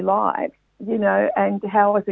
dan bagaimana saya bisa melakukannya